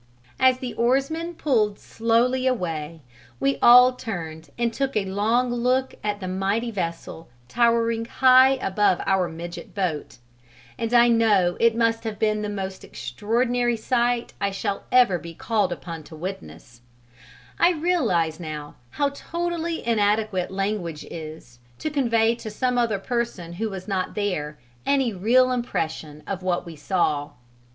As the oarsmen pulled slowly away we all turned and took a long look at the mighty vessel towering high above our midget boat, and I know it must have been the most extraordinary sight I shall ever be called upon to witness; I realize now how totally inadequate language is to convey to some other person who was not there any real impression of what we saw.